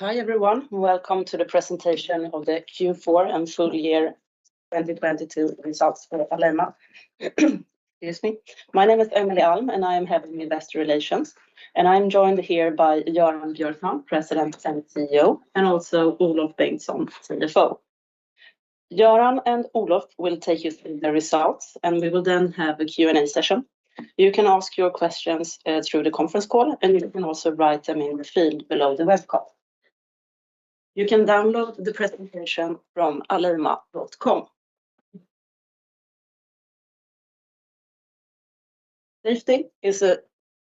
Hi, everyone. Welcome to the presentation of the Q4 and full year 2022 results for Alleima. Excuse me. My name is Emelie Alm, I am Head of Investor Relations. I'm joined here by Göran Björkman, President and CEO, and also Olof Bengtsson, CFO. Göran and Olof will take you through the results, we will then have a Q&A session. You can ask your questions through the conference call, you can also write them in the field below the web call. You can download the presentation from alleima.com. Safety is a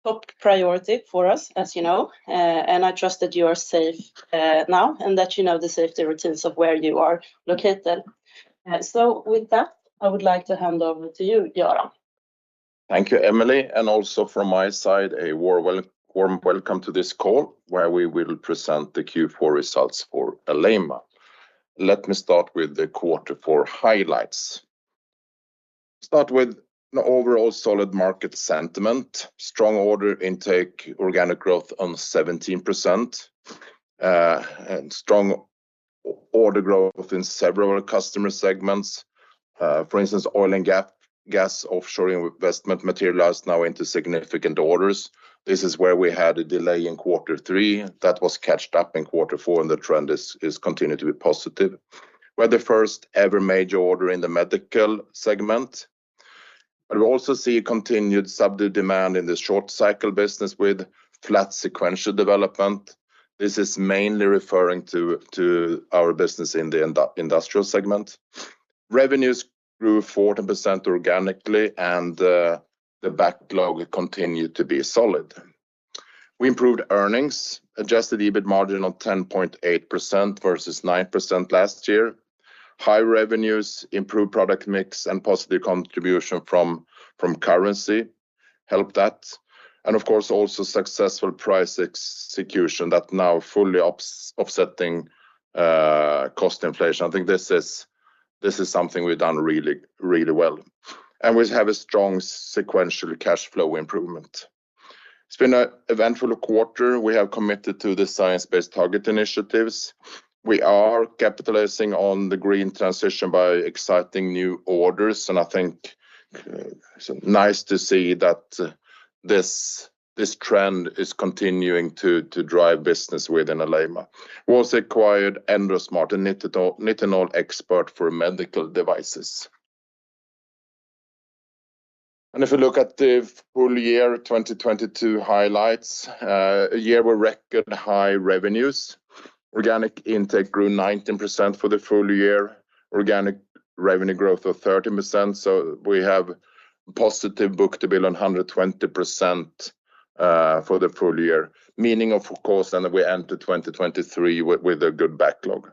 top priority for us, as you know. I trust that you are safe now and that you know the safety routines of where you are located. With that, I would like to hand over to you, Göran. Thank you, Emelie, and also from my side, a warm welcome to this call, where we will present the Q4 results for Alleima. Let me start with the quarter four highlights. Start with an overall solid market sentiment, strong order intake, organic growth on 17%, and strong order growth in several customer segments. For instance, oil and gas offshore investment materialized now into significant orders. This is where we had a delay in quarter three that was catched up in quarter four, and the trend is continuing to be positive. We'll also see continued subdued demand in the short cycle business with flat sequential development. This is mainly referring to our business in the industrial segment. Revenues grew 14% organically, and the backlog continued to be solid. We improved earnings, adjusted EBIT margin of 10.8% versus 9% last year. High revenues, improved product mix, and positive contribution from currency helped that. Of course, also successful price execution that now fully offsetting cost inflation. I think this is something we've done really, really well. We have a strong sequential cash flow improvement. It's been a eventful quarter. We have committed to the Science Based Targets initiative. We are capitalizing on the green transition by exciting new orders, and I think it's nice to see that this trend is continuing to drive business within Alleima. Was acquired Endosmart, a nitinol expert for medical devices. If you look at the full year 2022 highlights, a year with record high revenues. Organic intake grew 19% for the full year, organic revenue growth of 30%. We have positive book-to-bill on 120% for the full year. Meaning, of course, we enter 2023 with a good backlog.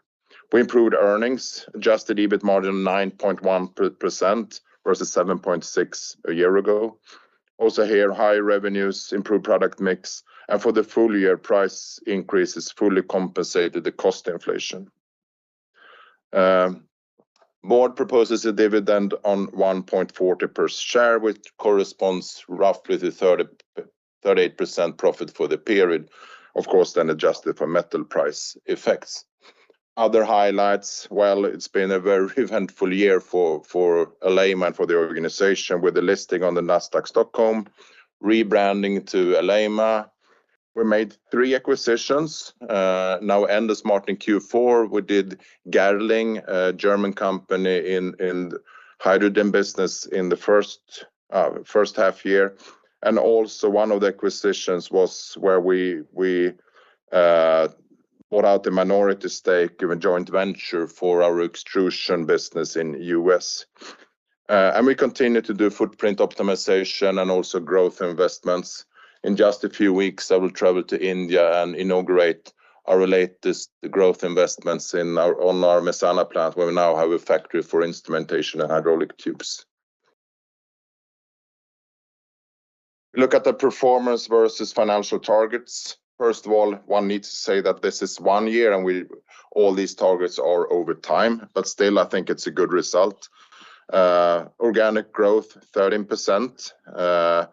We improved earnings, adjusted EBIT margin 9.1% versus 7.6% a year ago. Also here, high revenues, improved product mix, and for the full year, price increases fully compensated the cost inflation. Board proposes a dividend on 1.40 per share, which corresponds roughly to 38% profit for the period. Of course, adjusted for metal price effects. Other highlights, well, it's been a very eventful year for Alleima and for the organization with the listing on the Nasdaq Stockholm, rebranding to Alleima. We made 3 acquisitions, now Endosmart in Q4. We did Gerling, a German company in hydrogen business in the first half year. Also one of the acquisitions was where we bought out the minority stake in a joint venture for our extrusion business in U.S. We continue to do footprint optimization and also growth investments. In just a few weeks, I will travel to India and inaugurate our latest growth investments on our Mehsana plant, where we now have a factory for instrumentation and hydraulic tubes. Look at the performance versus financial targets. First of all, one needs to say that this is one year, and we, all these targets are over time, but still I think it's a good result. Organic growth, 13%.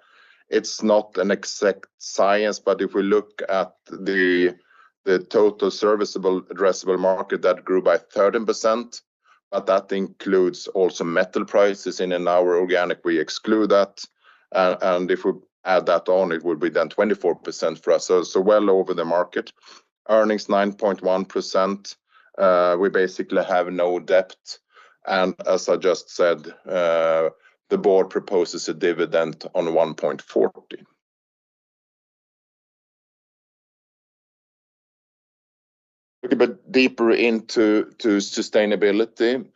It's not an exact science, if we look at the total serviceable addressable market, that grew by 13%, but that includes also metal prices. In our organic, we exclude that. If we add that on, it would be then 24% for us, well over the market. Earnings 9.1%. We basically have no debt. As I just said, the board proposes a dividend on 1.40. Looking a bit deeper into sustainability,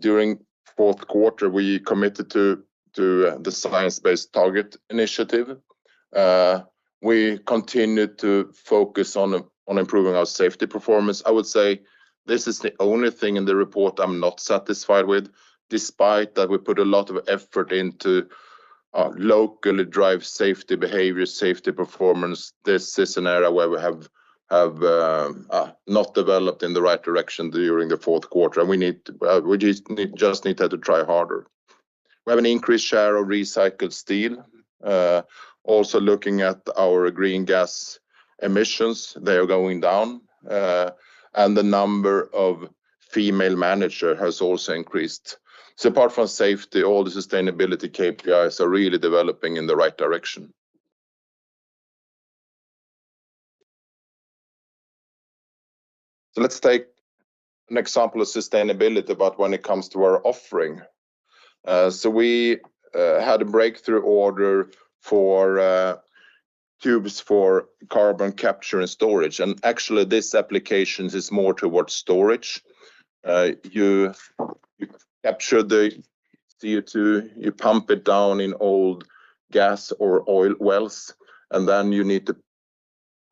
during fourth quarter, we committed to the Science Based Targets initiative. We continued to focus on improving our safety performance. I would say this is the only thing in the report I'm not satisfied with, despite that we put a lot of effort into locally drive safety behavior, safety performance. This is an area where we have not developed in the right direction during the fourth quarter, we need, we just needed to try harder. We have an increased share of recycled steel. Also looking at our green gas emissions, they are going down, and the number of female manager has also increased. Apart from safety, all the sustainability KPIs are really developing in the right direction. Let's take an example of sustainability, but when it comes to our offering. We had a breakthrough order for tubes for carbon capture and storage, and actually this application is more towards storage. You capture the CO2, you pump it down in old gas or oil wells, then you need to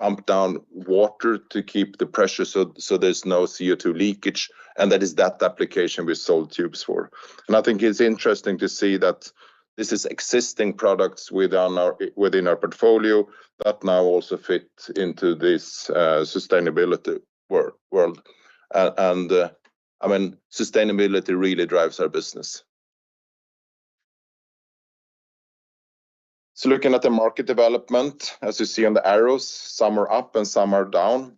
pump down water to keep the pressure so there's no CO2 leakage, and that is that application we sold tubes for. I think it's interesting to see that this is existing products within our, within our portfolio that now also fit into this sustainability world. I mean, sustainability really drives our business. Looking at the market development, as you see on the arrows, some are up and some are down.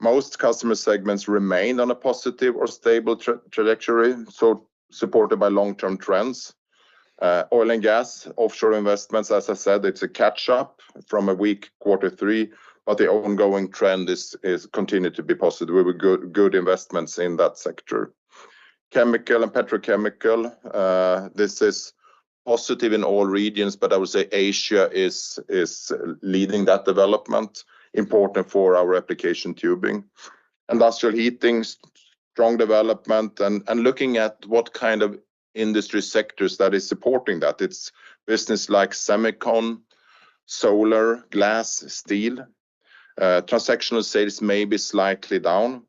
Most customer segments remained on a positive or stable trajectory, so supported by long-term trends. Oil and gas, offshore investments, as I said, it's a catch-up from a weak quarter three. The ongoing trend is continued to be positive with good investments in that sector. Chemical and petrochemical, this is positive in all regions, but I would say Asia is leading that development, important for our application tubing. Industrial heating, strong development and looking at what kind of industry sectors that is supporting that. It's business like semicon, solar, glass, steel. Transactional sales may be slightly down.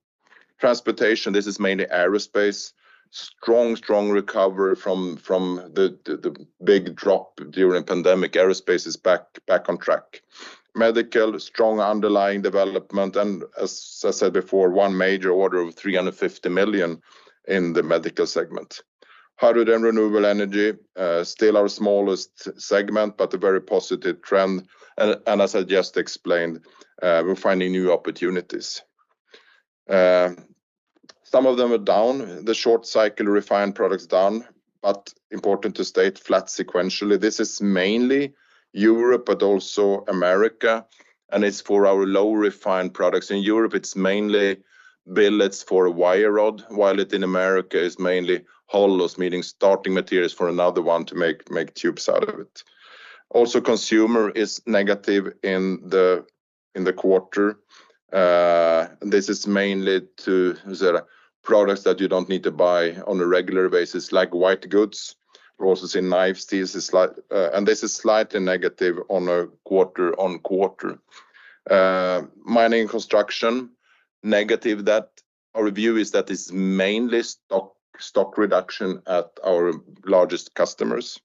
Transportation, this is mainly aerospace. Strong recovery from the big drop during pandemic. Aerospace is back on track. Medical, strong underlying development, as I said before, one major order of 350 million in the medical segment. Hydrogen renewable energy, still our smallest segment, but a very positive trend. As I just explained, we're finding new opportunities. Some of them are down. The short cycle refined products down, but important to state, flat sequentially. This is mainly Europe, also America, it's for our low refined products. In Europe, it's mainly billets for wire rod, while in America it's mainly hollows, meaning starting materials for another one to make tubes out of it. Consumer is negative in the quarter. This is mainly to the products that you don't need to buy on a regular basis, like white goods. We're also seeing knife steels is slight, this is slightly negative on a quarter-on-quarter. Mining and construction, negative. Our view is that it's mainly stock reduction at our largest customers.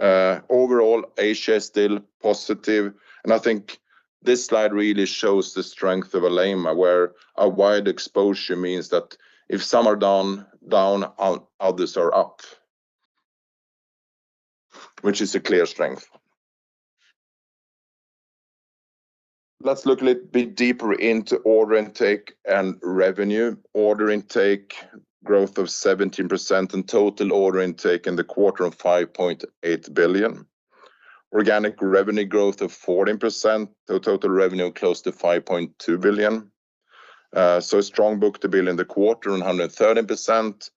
Overall, Asia is still positive, I think this slide really shows the strength of Alleima, where our wide exposure means that if some are down, others are up, which is a clear strength. Let's look a little bit deeper into order intake and revenue. Order intake, growth of 17% and total order intake in the quarter of 5.8 billion. Organic revenue growth of 14%, total revenue close to 5.2 billion. A strong book-to-bill in the quarter, 113%,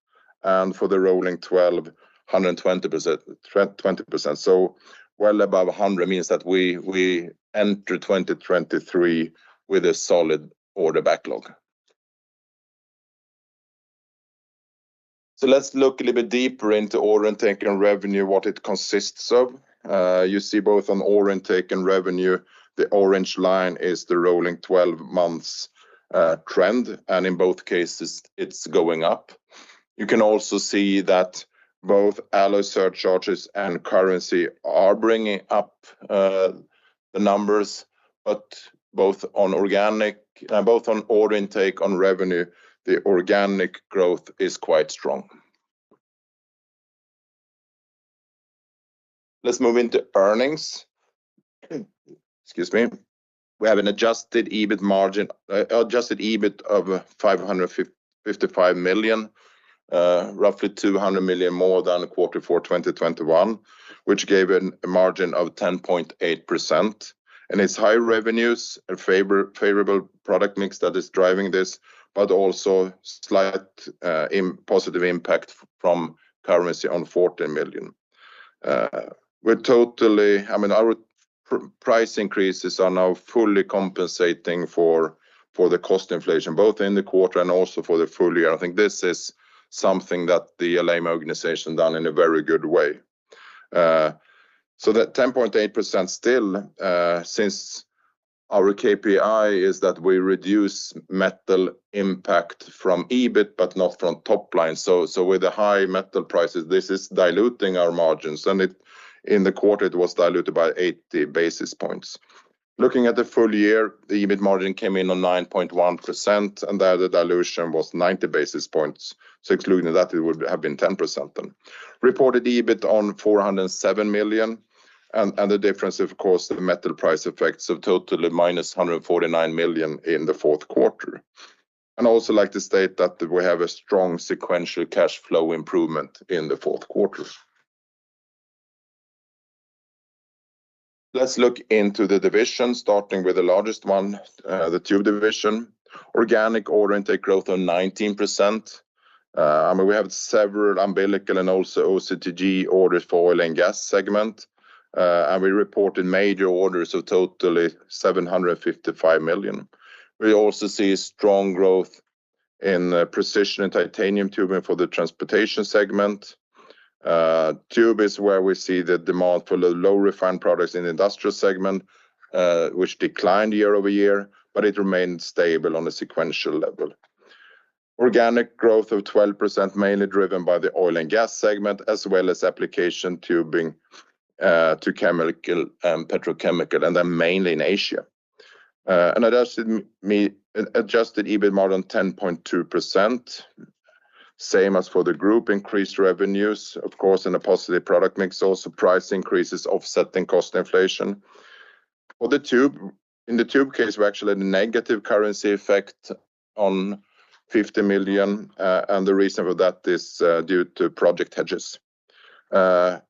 and for the rolling 12, 120%. Well above 100 means that we enter 2023 with a solid order backlog. Let's look a little bit deeper into order intake and revenue, what it consists of. You see both on order intake and revenue, the orange line is the rolling 12 months trend, and in both cases, it's going up. You can also see that both alloy surcharges and currency are bringing up the numbers, but both on organic... Both on order intake, on revenue, the organic growth is quite strong. Let's move into earnings. Excuse me. We have an adjusted EBIT of 555 million, roughly 200 million more than the quarter for 2021, which gave a margin of 10.8%. It's high revenues and favorable product mix that is driving this, but also slight positive impact from currency on 14 million. I mean, our price increases are now fully compensating for the cost inflation, both in the quarter and also for the full year. I think this is something that the Alleima organization done in a very good way. So that 10.8% still, since our KPI is that we reduce metal impact from EBIT, but not from top line. With the high metal prices, this is diluting our margins, and in the quarter, it was diluted by 80 basis points. Looking at the full year, the EBIT margin came in on 9.1%, and the other dilution was 90 basis points. Excluding that, it would have been 10% then. Reported EBIT on 407 million. The difference, of course, the metal price effects of total of minus 149 million in the fourth quarter. I'd also like to state that we have a strong sequential cash flow improvement in the fourth quarter. Let's look into the division, starting with the largest one, the Tube division. Organic order intake growth on 19%. We have several umbilical and also OCTG orders for oil and gas segment. We reported major orders of totally 755 million. We also see strong growth in precision and titanium tubing for the transportation segment. Tube is where we see the demand for the low refined products in the industrial segment, which declined year-over-year, but it remained stable on a sequential level. Organic growth of 12%, mainly driven by the oil and gas segment, as well as application tubing, to chemical and petrochemical, mainly in Asia. Adjusted EBIT margin, 10.2%, same as for the group, increased revenues, of course, and a positive product mix, also price increases offsetting cost inflation. For the Tube, in the Tube case, we actually had a negative currency effect on 50 million, the reason for that is due to project hedges. The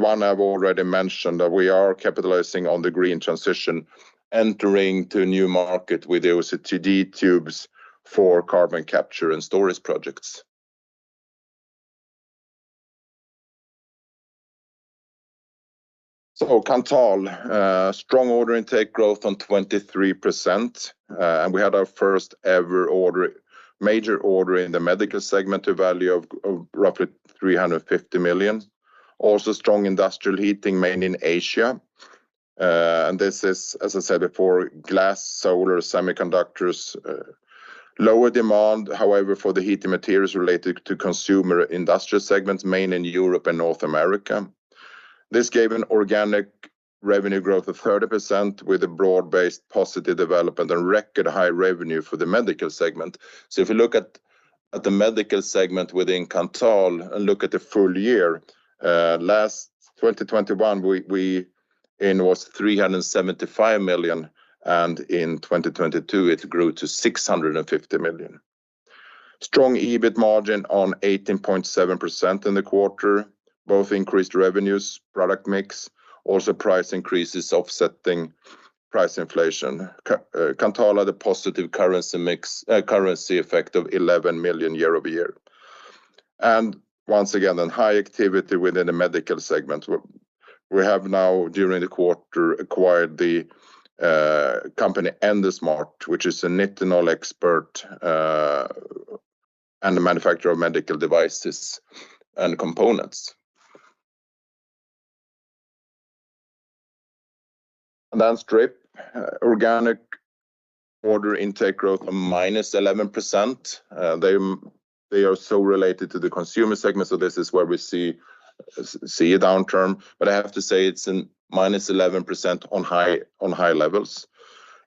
one I've already mentioned, that we are capitalizing on the green transition, entering to a new market with OCTG tubes for carbon capture and storage projects. Kanthal, strong order intake growth on 23%. We had our first-ever order, major order in the medical segment, a value of roughly 350 million. Also strong industrial heating, mainly in Asia. This is, as I said before, glass, solar, semiconductors. Lower demand, however, for the heating materials related to consumer industrial segments, mainly in Europe and North America. This gave an organic revenue growth of 30% with a broad-based positive development and record high revenue for the medical segment. If you look at the medical segment within Kanthal and look at the full year, last 2021, we in was 375 million, and in 2022, it grew to 650 million. Strong EBIT margin on 18.7% in the quarter, both increased revenues, product mix, also price increases offsetting price inflation. Kanthal had a positive currency mix, currency effect of SEK 11 million year-over-year. Once again, a high activity within the medical segment. We have now, during the quarter, acquired the company Endosmart, which is a nitinol expert, and a manufacturer of medical devices and components. Strip, organic order intake growth of minus 11%. They are so related to the consumer segment, so this is where we see a downturn. I have to say, it's in minus 11% on high levels.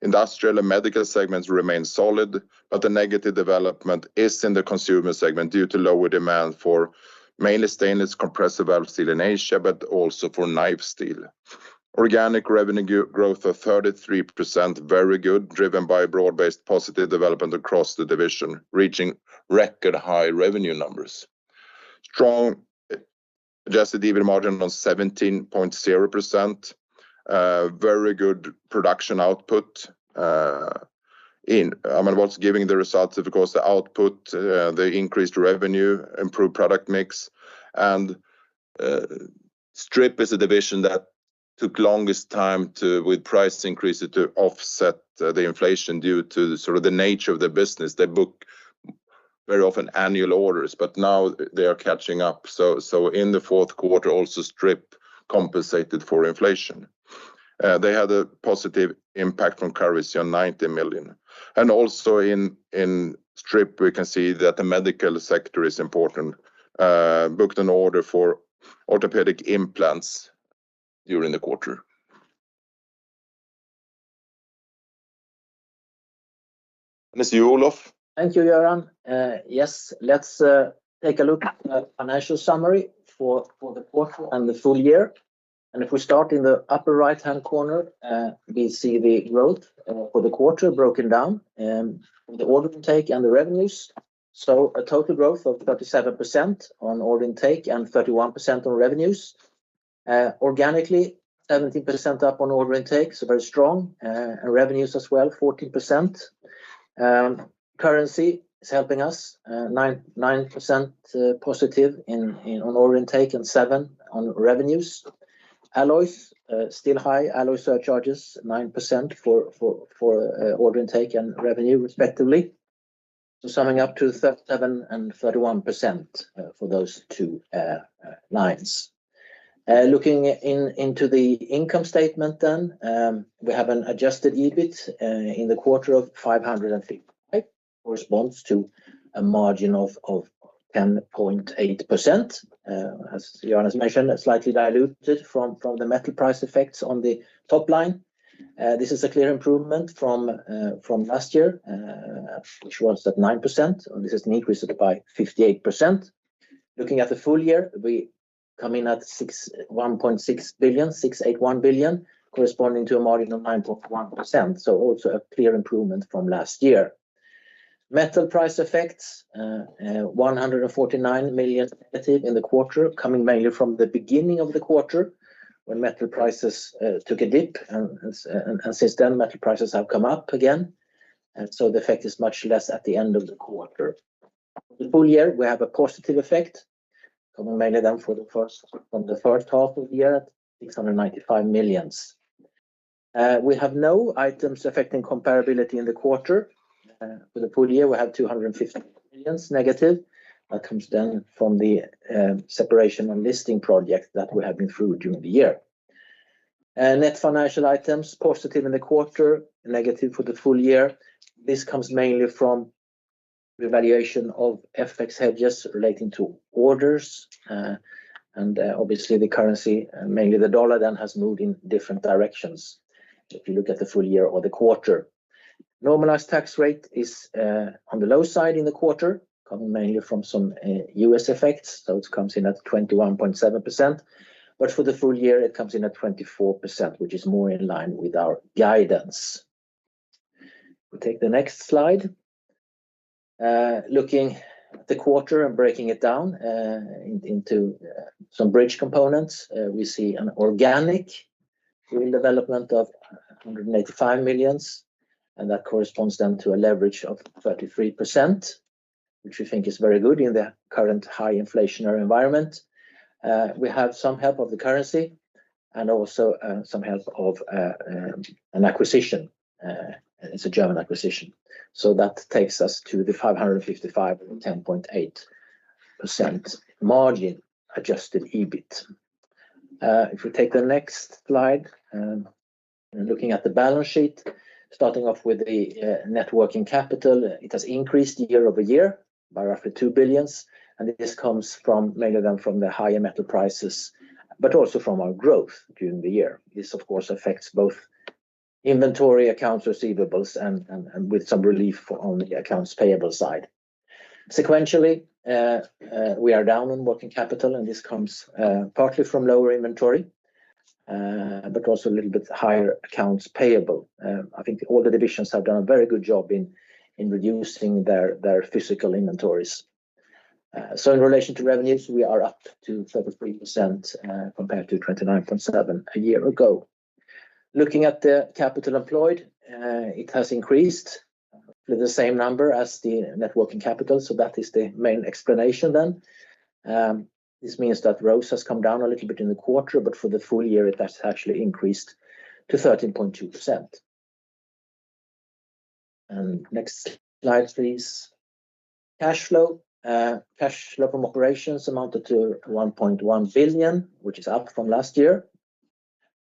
Industrial and medical segments remain solid, but the negative development is in the consumer segment due to lower demand for mainly stainless compressor valve steel in Asia, but also for knife steel. Organic revenue growth of 33%, very good, driven by broad-based positive development across the division, reaching record high revenue numbers. Strong adjusted EBIT margin on 17.0%. Very good production output, I mean, what's giving the results, of course, the output, the increased revenue, improved product mix. Strip is a division that took longest time to, with price increases, to offset the inflation due to the sort of the nature of the business. They book very often annual orders, but now they are catching up. In the fourth quarter, also Strip compensated for inflation. They had a positive impact on currency on 90 million. In Strip, we can see that the medical sector is important. Booked an order for orthopedic implants during the quarter. Mr. Olof. Thank you, Göran. Yes, let's take a look at the financial summary for the quarter and the full year. If we start in the upper right-hand corner, we see the growth for the quarter broken down, the order take and the revenues. A total growth of 37% on order intake and 31% on revenues. Organically, 17% up on order intakes, so very strong, and revenues as well, 14%. Currency is helping us, 9% positive on order intake and 7% on revenues. Alloys, still high. Alloy surcharges, 9% for order intake and revenue respectively. Summing up to 37% and 31% for those two lines. Looking into the income statement, we have an adjusted EBIT in the quarter of 558, corresponds to a margin of 10.8%, as Göran has mentioned, slightly diluted from the metal price effects on the top line. This is a clear improvement from last year, which was at 9%. This is an increase by 58%. Looking at the full year, we come in at 1.6 billion, 681 billion, corresponding to a margin of 9.1%. Also a clear improvement from last year. Metal price effects, 149 million negative in the quarter, coming mainly from the beginning of the quarter, when metal prices took a dip. Since then, metal prices have come up again, and so the effect is much less at the end of the quarter. The full year, we have a positive effect coming mainly then from the first half of the year at 695 million. We have no items affecting comparability in the quarter. For the full year, we have 250 million negative. That comes down from the separation and listing project that we have been through during the year. Net financial items, positive in the quarter, negative for the full year. This comes mainly from the valuation of FX hedges relating to orders, and obviously the currency, mainly the dollar then has moved in different directions if you look at the full year or the quarter. Normalized tax rate is on the low side in the quarter, coming mainly from some U.S. effects. It comes in at 21.7%. For the full year, it comes in at 24%, which is more in line with our guidance. We take the next slide. Looking at the quarter and breaking it down into some bridge components, we see an organic development of 185 million. That corresponds to a leverage of 33%, which we think is very good in the current high inflationary environment. We have some help of the currency and also some help of an acquisition. It's a German acquisition. That takes us to the 555 and 10.8% margin adjusted EBIT. If we take the next slide, looking at the balance sheet, starting off with the net working capital, it has increased year-over-year by roughly 2 billion, and this comes from mainly than from the higher metal prices, but also from our growth during the year. This, of course, affects both inventory accounts receivables and with some relief on the accounts payable side. Sequentially, we are down on working capital, and this comes partly from lower inventory, but also a little bit higher accounts payable. I think all the divisions have done a very good job in reducing their physical inventories. In relation to revenues, we are up to 33%, compared to 29.7% a year ago. Looking at the capital employed, it has increased with the same number as the net working capital. That is the main explanation then. This means that ROCE has come down a little bit in the quarter, but for the full year, that's actually increased to 13.2%. Next slide, please. Cash flow. Cash flow from operations amounted to 1.1 billion, which is up from last year.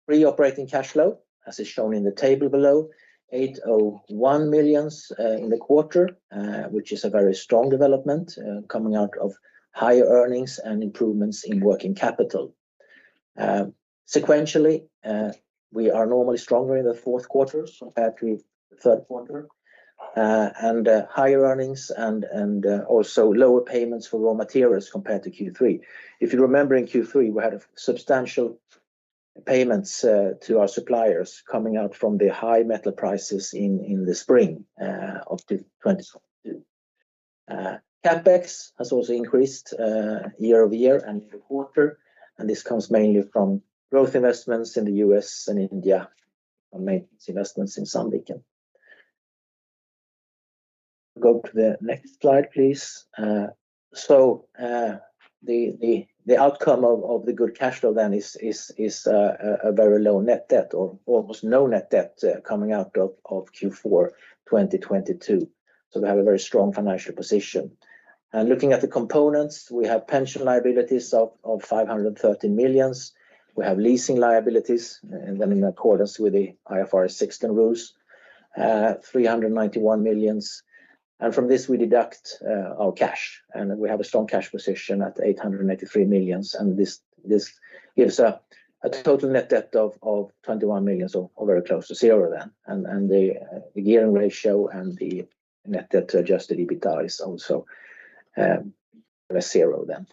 Free operating cash flow, as is shown in the table below, 801 million in the quarter, which is a very strong development, coming out of higher earnings and improvements in working capital. Sequentially, we are normally stronger in the fourth quarter compared to the third quarter, and higher earnings and also lower payments for raw materials compared to Q3. If you remember in Q3, we had substantial payments to our suppliers coming out from the high metal prices in the spring of 2022. CapEx has also increased year-over-year and quarter, and this comes mainly from growth investments in the US and India and maintenance investments in Sandviken. Go to the next slide, please. The outcome of the good cash flow then is a very low net debt or almost no net debt coming out of Q4 2022. We have a very strong financial position. Looking at the components, we have pension liabilities of 530 million. We have leasing liabilities, then in accordance with the IFRS 16 rules, 391 million. From this, we deduct our cash, and we have a strong cash position at 883 million. This gives a total net debt of 21 million or very close to zero then. The gearing ratio and the net debt adjusted EBITDA is also zero then.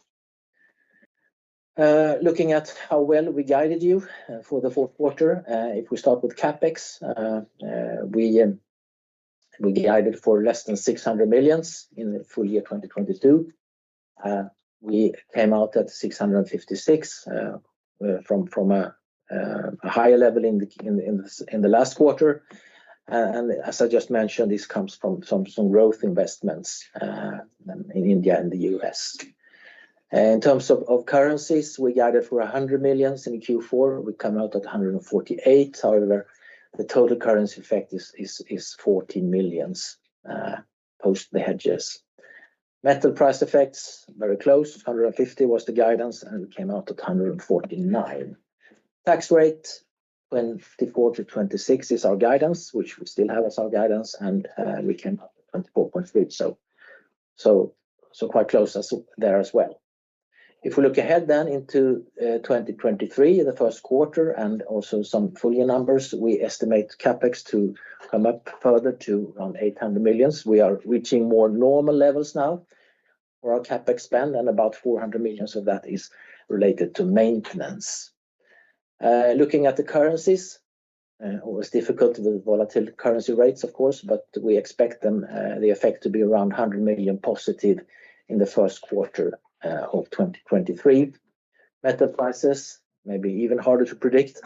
Looking at how well we guided you for the fourth quarter, if we start with CapEx, we guided for less than 600 million in full year 2022. We came out at 656 million from a higher level in the last quarter. As I just mentioned, this comes from some growth investments in India and the U.S. In terms of currencies, we guided for 100 million in Q4. We come out at 148 million. However, the total currency effect is 14 million post the hedges. Metal price effects, very close. 150 million was the guidance, we came out at 149 million. Tax rateWhen 54%-26% is our guidance, which we still have as our guidance, we came up with 24.3%. Quite close as there as well. If we look ahead into 2023, the first quarter and also some full year numbers, we estimate CapEx to come up further to around 800 million. We are reaching more normal levels now for our CapEx spend, about 400 million of that is related to maintenance. Looking at the currencies, always difficult with volatile currency rates of course, but we expect them, the effect to be around 100 million positive in the first quarter of 2023. Metal prices may be even harder to predict.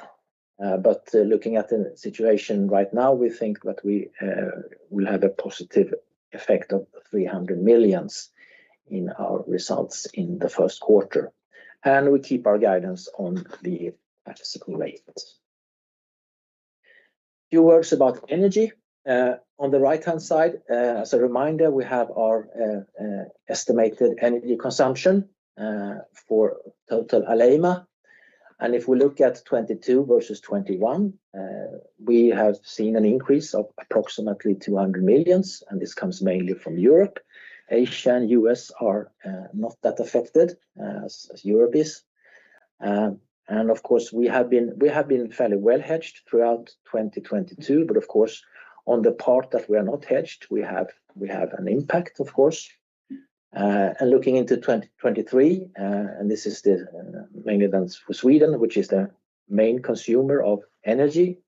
But looking at the situation right now, we think that we will have a positive effect of 300 million in our results in the first quarter. We keep our guidance on the participant rates. Few words about energy. On the right-hand side, as a reminder, we have our estimated energy consumption for total Alleima. If we look at 2022 versus 2021, we have seen an increase of approximately 200 million, and this comes mainly from Europe. Asia and U.S. are not that affected as Europe is. Of course we have been fairly well hedged throughout 2022, but of course, on the part that we are not hedged, we have an impact of course. Looking into 2023, this is mainly done for Sweden, which is the main consumer of energy.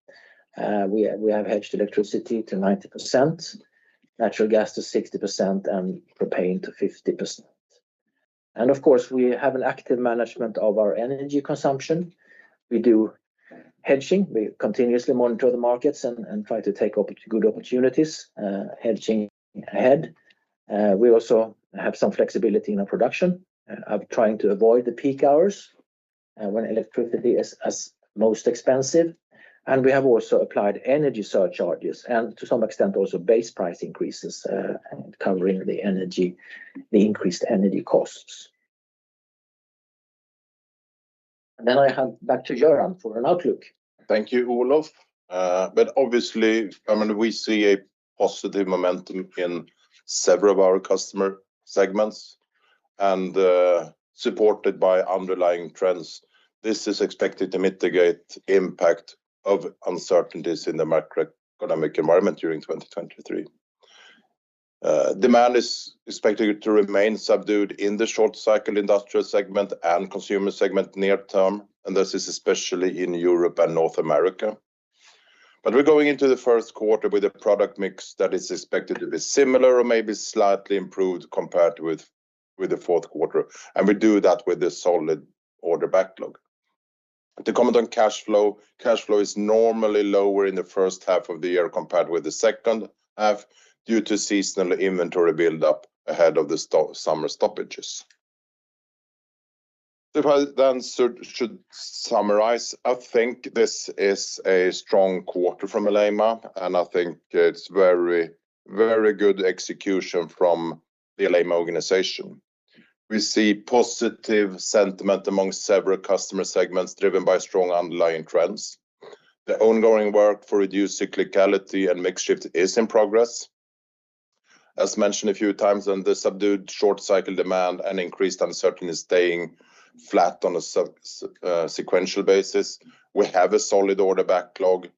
We have hedged electricity to 90%, natural gas to 60%, and propane to 50%. Of course, we have an active management of our energy consumption. We do hedging. We continuously monitor the markets and try to take good opportunities hedging ahead. We also have some flexibility in our production of trying to avoid the peak hours when electricity is as most expensive. We have also applied energy surcharges and to some extent also base price increases, covering the energy, the increased energy costs. I hand back to Göran for an outlook. Thank you, Olof. Obviously, I mean, we see a positive momentum in several of our customer segments, and supported by underlying trends. This is expected to mitigate impact of uncertainties in the macroeconomic environment during 2023. Demand is expected to remain subdued in the short cycle industrial segment and consumer segment near term, and this is especially in Europe and North America. We're going into the first quarter with a product mix that is expected to be similar or maybe slightly improved compared with the fourth quarter, and we do that with a solid order backlog. To comment on cashflow is normally lower in the first half of the year compared with the second half due to seasonal inventory build-up ahead of the summer stoppages. If I should summarize, I think this is a strong quarter from Alleima, and I think it's very good execution from the Alleima organization. We see positive sentiment among several customer segments driven by strong underlying trends. The ongoing work for reduced cyclicality and mix shift is in progress. As mentioned a few times on the subdued short cycle demand and increased uncertainty staying flat on a sequential basis, we have a solid order backlog.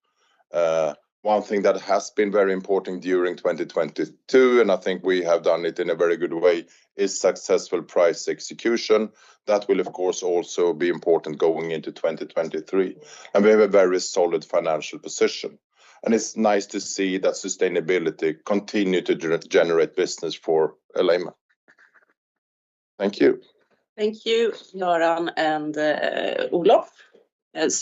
One thing that has been very important during 2022, and I think we have done it in a very good way, is successful price execution. That will of course also be important going into 2023. We have a very solid financial position, and it's nice to see that sustainability continue to generate business for Alleima. Thank you. Thank you, Göran and Olof. It is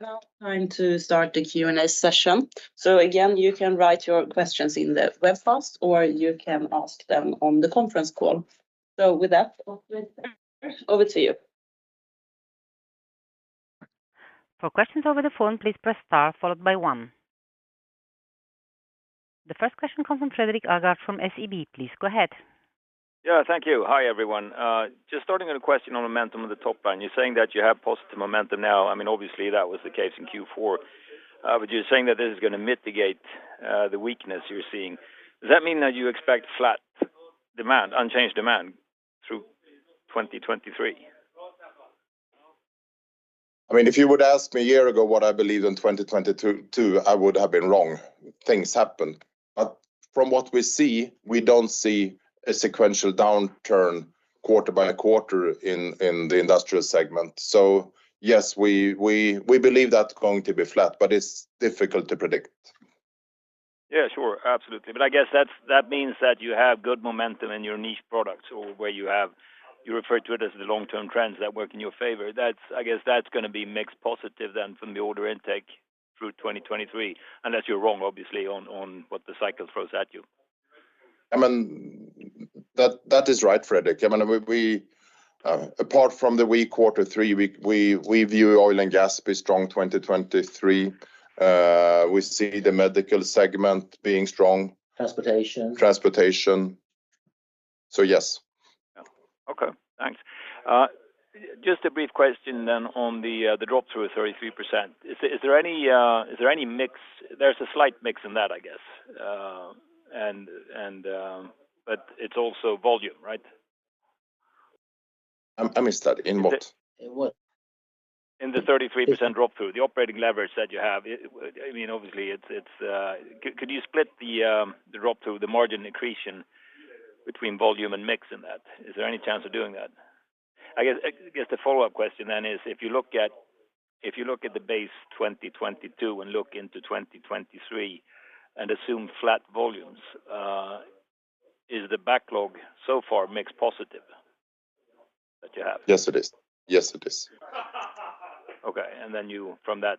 now time to start the Q&A session. Again, you can write your questions in the web first, or you can ask them on the conference call. With that, operator, over to you. For questions over the phone, please press star followed by one. The first question comes from Fredrik Agardh from SEB. Please go ahead. Yeah. Thank you. Hi, everyone. Just starting with a question on momentum on the top line. You're saying that you have positive momentum now. I mean, obviously that was the case in Q4. You're saying that this is gonna mitigate the weakness you're seeing. Does that mean that you expect flat demand, unchanged demand through 2023? I mean, if you would ask me a year ago what I believed in 2022, I would have been wrong. Things happen. From what we see, we don't see a sequential downturn quarter by quarter in the industrial segment. Yes, we believe that's going to be flat, but it's difficult to predict. Yeah, sure. Absolutely. I guess that means that you have good momentum in your niche products or where you have. You refer to it as the long-term trends that work in your favor. That's, I guess that's gonna be mixed positive then from the order intake through 2023, unless you're wrong, obviously, on what the cycle throws at you. I mean, that is right, Fredrik. I mean, we, apart from the weak quarter three, we view oil and gas be strong 2023. We see the medical segment being strong. Transportation. Transportation. yes. Okay, thanks. Just a brief question then on the drop through of 33%. Is there any mix? There's a slight mix in that, I guess. It's also volume, right? I missed that. In what? In the 33% drop through, the operating leverage that you have. I mean, obviously it's. Could you split the drop through, the margin accretion between volume and mix in that? Is there any chance of doing that? I guess the follow-up question then is, if you look at the base 2022 and look into 2023 and assume flat volumes, is the backlog so far mix positive that you have? Yes, it is. Yes, it is. Okay. You, from that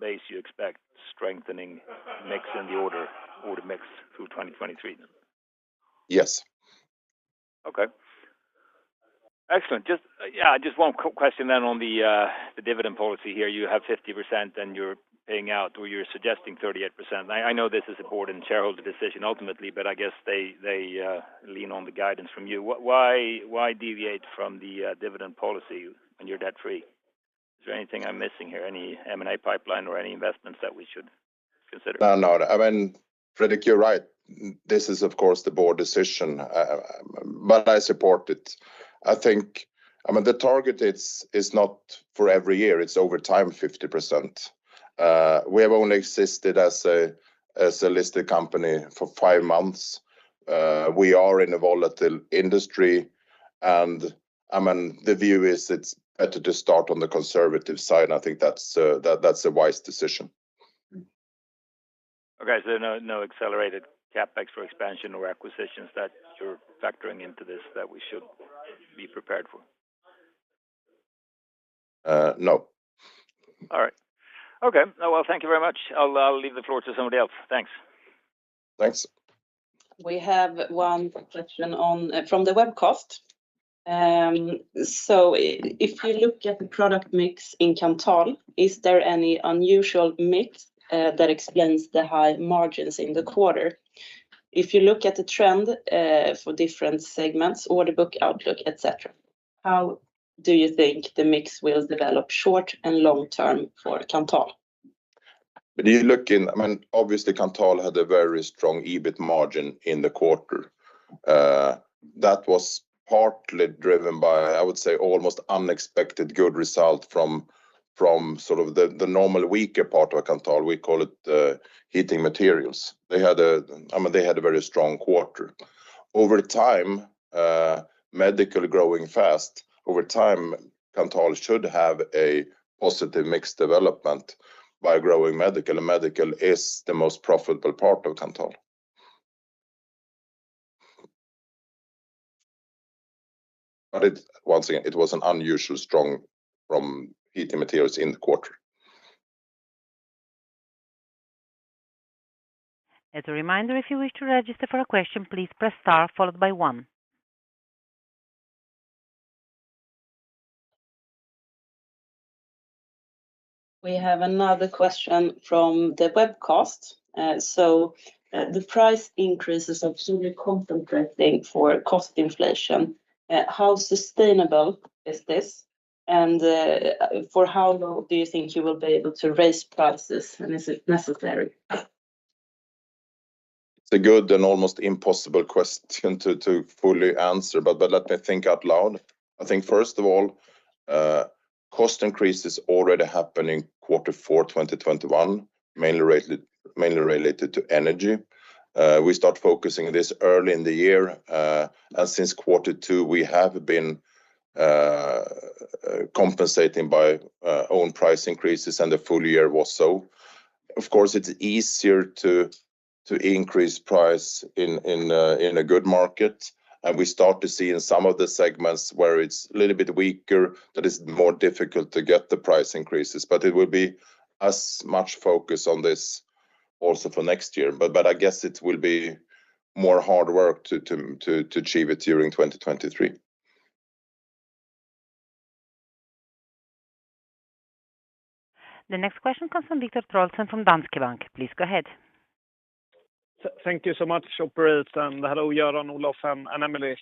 base, you expect strengthening mix in the order mix through 2023 then? Yes. Okay. Excellent. Just, yeah, just one question then on the dividend policy here. You have 50% and you're paying out or you're suggesting 38%. I know this is a board and shareholder decision ultimately, but I guess they lean on the guidance from you. Why deviate from the dividend policy when you're debt free? Is there anything I'm missing here? Any M&A pipeline or any investments that we should consider? No, no. I mean, Fredrik, you're right. This is, of course, the board decision. I support it. I mean, the target is not for every year, it's over time 50%. We have only existed as a listed company for five months. We are in a volatile industry. I mean, the view is it's better to start on the conservative side. I think that's a wise decision. Okay. No, no accelerated CapEx for expansion or acquisitions that you're factoring into this that we should be prepared for? No. All right. Okay. Well, thank you very much. I'll leave the floor to somebody else. Thanks. Thanks. We have one question on... from the webcast. If you look at the product mix in Kanthal, is there any unusual mix that explains the high margins in the quarter? If you look at the trend for different segments, order book, outlook, et cetera, how do you think the mix will develop short and long term for Kanthal? I mean, obviously, Kanthal had a very strong EBIT margin in the quarter. That was partly driven by, I would say, almost unexpected good result from sort of the normal weaker part of Kanthal, we call it, heating materials. I mean, they had a very strong quarter. Over time, medical growing fast. Over time, Kanthal should have a positive mix development by growing medical, and medical is the most profitable part of Kanthal. Once again, it was an unusual strong from heating materials in the quarter. As a reminder, if you wish to register for a question, please press star followed by one. We have another question from the webcast. The price increases are seemingly compensating for cost inflation. How sustainable is this? For how long do you think you will be able to raise prices, and is it necessary? It's a good and almost impossible question to fully answer, but let me think out loud. I think first of all, cost increase is already happening quarter four 2021, mainly related to energy. We start focusing this early in the year. Since quarter two, we have been compensating by own price increases, and the full year was so. Of course, it's easier to increase price in a good market. We start to see in some of the segments where it's a little bit weaker, that it's more difficult to get the price increases. It will be as much focus on this also for next year. I guess it will be more hard work to achieve it during 2023. The next question comes from Viktor Trollsten from Danske Bank. Please go ahead. Thank you so much, operator. Hello, Göran, Olof, and Emelie.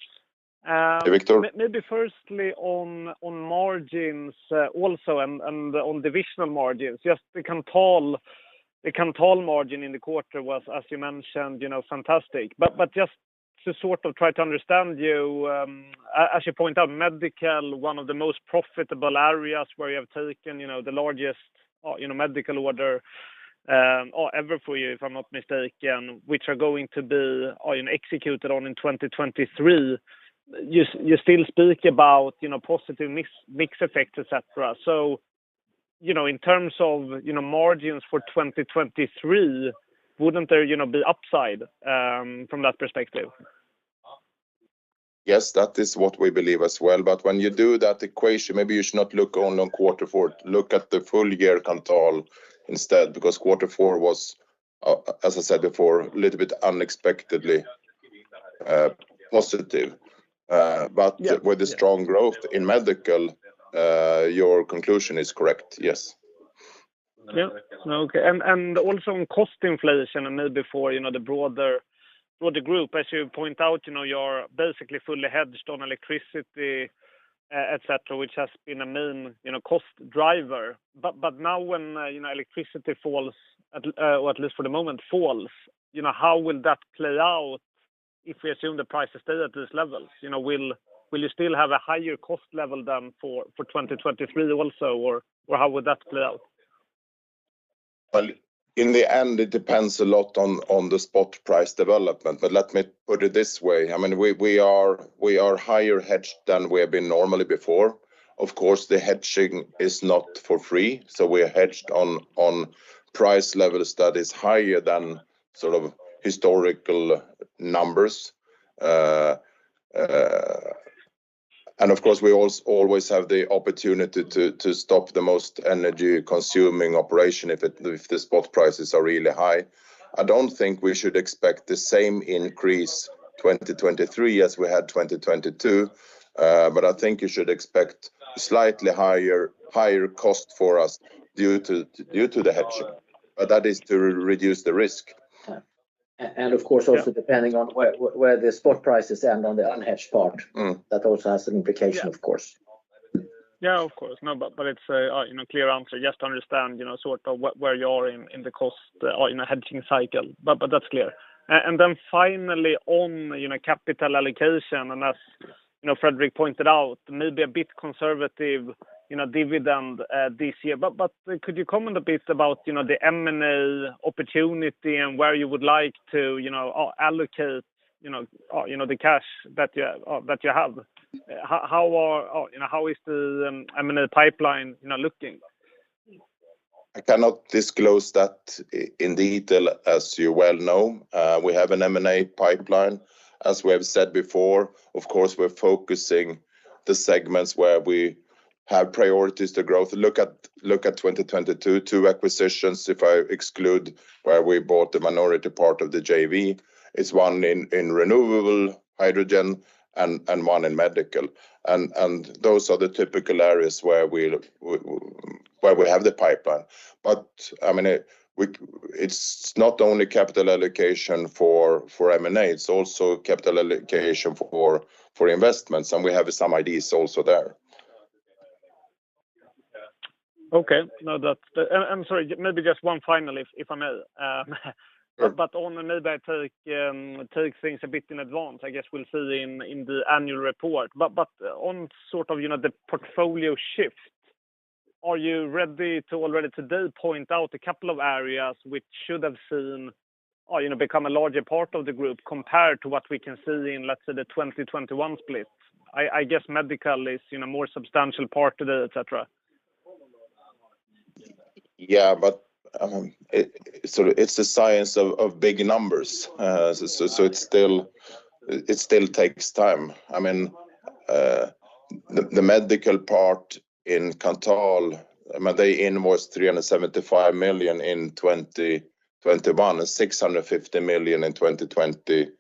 Hey, Viktor. Maybe firstly on margins, also and on divisional margins. Just the Kanthal, the Kanthal margin in the quarter was, as you mentioned, you know, fantastic. Just to sort of try to understand you, as you point out, medical, one of the most profitable areas where you have taken, you know, the largest, you know, medical order, ever for you, if I'm not mistaken, which are going to be executed on in 2023, you still speak about, you know, positive mix effect, et cetera. In terms of, you know, margins for 2023, wouldn't there, you know, be upside from that perspective? Yes, that is what we believe as well. When you do that equation, maybe you should not look only on quarter four. Look at the full year Kanthal instead, because quarter four was, as I said before, a little bit unexpectedly positive. Yeah. Yeah. With the strong growth in medical, your conclusion is correct, yes. Yeah. No, okay. Also on cost inflation and maybe for, you know, the broader group, as you point out, you know, you're basically fully hedged on electricity, et cetera, which has been a main, you know, cost driver. Now when, you know, electricity falls or at least for the moment falls, you know, how will that play out if we assume the prices stay at this level? You know, will you still have a higher cost level than for 2023 also, or how would that play out? Well, in the end, it depends a lot on the spot price development. Let me put it this way. We are higher hedged than we have been normally before. Of course, the hedging is not for free, so we are hedged on price levels that is higher than sort of historical numbers. Of course we always have the opportunity to stop the most energy consuming operation if the spot prices are really high. I don't think we should expect the same increase 2023 as we had 2022. I think you should expect slightly higher cost for us due to the hedging. That is to reduce the risk. Yeah. Of course also depending on where the spot prices end on the unhedged part. Mm. That also has an implication, of course. Yeah, of course. It's a, you know, clear answer. Just to understand, you know, sort of where you are in the cost or in a hedging cycle. That's clear. Then finally on, you know, capital allocation, and as, you know, Fredrik pointed out, maybe a bit conservative, you know, dividend, this year. Could you comment a bit about, you know, the M&A opportunity and where you would like to, you know, allocate, you know, the cash that you have? You know, how is the M&A pipeline, you know, looking? I cannot disclose that in detail, as you well know. We have an M&A pipeline, as we have said before. Of course, we're focusing the segments where we have priorities to growth. Look at 2022, two acquisitions, if I exclude where we bought the minority part of the JV, is one in renewable hydrogen and one in medical. Those are the typical areas where we look, where we have the pipeline. I mean, it's not only capital allocation for M&A, it's also capital allocation for investments, and we have some ideas also there. Okay. No. I'm sorry, maybe just one final, if I may. Sure. On maybe I take things a bit in advance, I guess we'll see in the annual report. On sort of, you know, the portfolio shift, are you ready to already today point out a couple of areas which should have seen or, you know, become a larger part of the group compared to what we can see in, let's say, the 2021 split? I guess medical is, you know, more substantial part of the et cetera. Yeah, it's a science of big numbers. It still takes time. I mean, the medical part in Kanthal, I mean, they invoice 375 million in 2021, and 650 million in 2022.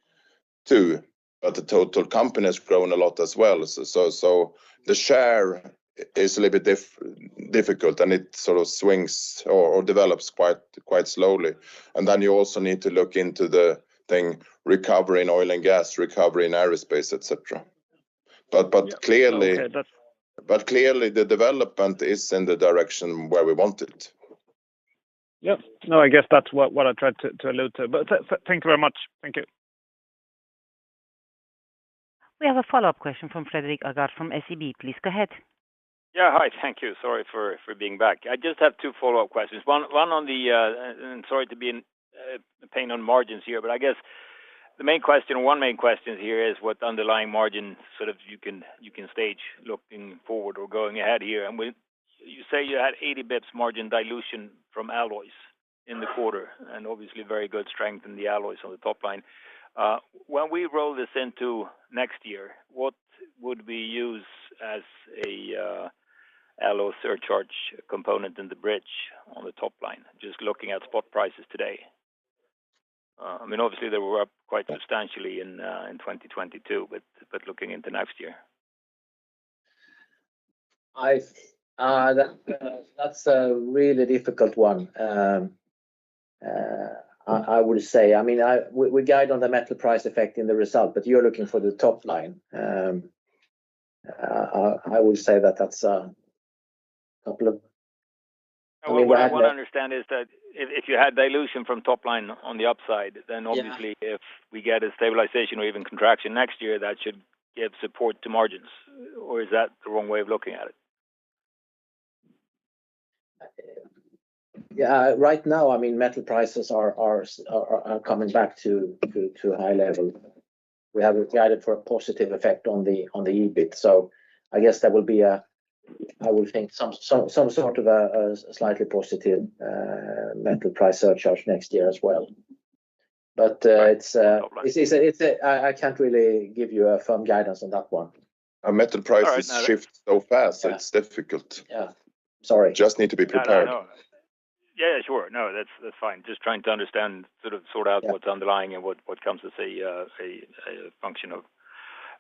The total company has grown a lot as well. The share is a little bit difficult, and it sort of swings or develops quite slowly. You also need to look into the thing, recovery in oil and gas, recovery in aerospace, et cetera. Clearly. Okay. Clearly the development is in the direction where we want it. Yeah. No, I guess that's what I tried to allude to. Thank you very much. Thank you. We have a follow-up question from Fredrik Agardh from SEB. Please go ahead. Yeah. Hi. Thank you. Sorry for being back. I just have 2 follow-up questions. One on the... Sorry to be opinion on margins here, but I guess the main question, one main question here is what underlying margin sort of you can stage looking forward or going ahead here. You say you had 80 bips margin dilution from alloys in the quarter, and obviously very good strength in the alloys on the top line. When we roll this into next year, what would we use as a alloy surcharge component in the bridge on the top line, just looking at spot prices today? I mean, obviously they were up quite substantially in 2022, but looking into next year. That's a really difficult one. I would say. I mean, We guide on the metal price effect in the result, but you're looking for the top line. I would say that's. No, what I want to understand is that if you had dilution from top line on the upside, then obviously-. Yeah... if we get a stabilization or even contraction next year, that should give support to margins. Is that the wrong way of looking at it? Yeah. Right now, I mean, metal prices are coming back to a high level. We have guided for a positive effect on the EBIT. I guess that will be, I would think some sort of a slightly positive metal price surcharge next year as well. Right. I can't really give you a firm guidance on that one. Metal prices shift so fast, it's difficult. Yeah. Sorry. Just need to be prepared. I know. Sure. That's fine. Trying to understand, sort of sort out what's underlying and what comes as a function of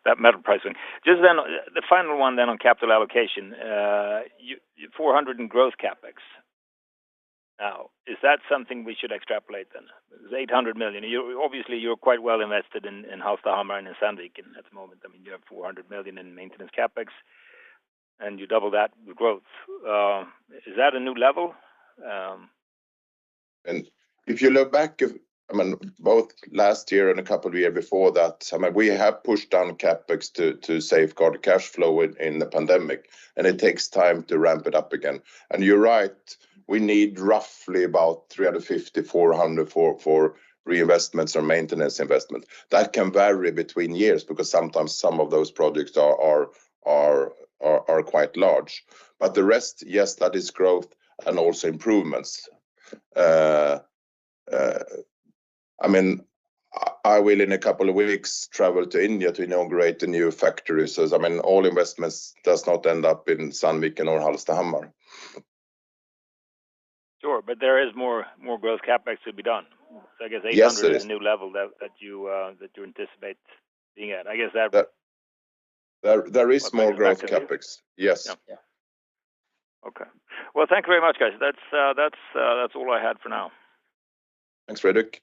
that metal pricing. The final one then on capital allocation, 400 in growth CapEx. Is that something we should extrapolate then? 800 million. Obviously, you're quite well invested in Hallstahammar and in Sandviken at the moment. I mean, you have 400 million in maintenance CapEx, and you double that with growth. Is that a new level? If you look back, I mean, both last year and a couple of year before that, I mean, we have pushed down CapEx to safeguard cash flow in the pandemic, and it takes time to ramp it up again. You're right, we need roughly about 350, 400 for reinvestments or maintenance investment. That can vary between years because sometimes some of those projects are quite large. The rest, yes, that is growth and also improvements. I mean, I will, in a couple of weeks, travel to India to inaugurate a new factory. I mean, all investments does not end up in Sandviken or Hallstahammar. Sure. There is more growth CapEx to be done. I guess- Yes, there is.... 800 is a new level that you anticipate being at. There, there is more growth CapEx. Yes. Yeah. Okay. Well, thank you very much, guys. That's all I had for now. Thanks, Fredrik.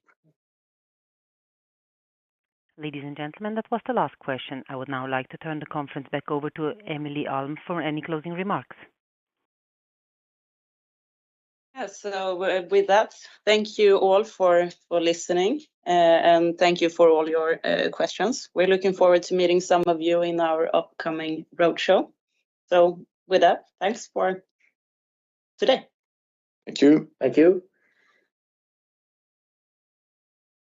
Ladies and gentlemen, that was the last question. I would now like to turn the conference back over to Emelie Alm for any closing remarks. Yes. With that, thank you all for listening, and thank you for all your questions. We're looking forward to meeting some of you in our upcoming roadshow. With that, thanks for today. Thank you. Thank you.